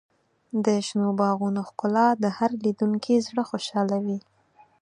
د شنو باغونو ښکلا د هر لیدونکي زړه خوشحالوي.